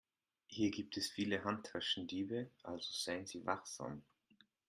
Hier gibt es viele Handtaschendiebe, also seien Sie wachsam.